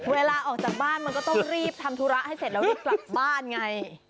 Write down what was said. เวลาออกจากบ้านมันก็ต้องรีบทำธุระให้เสร็จแล้วรีบกลับบ้านไง